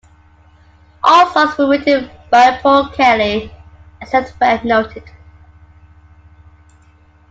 All songs were written by Paul Kelly, except where noted.